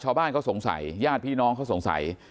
ชาวบ้านเขาสงสัยญาติพี่น้องเขาสงสัย